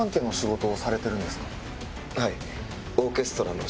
はい。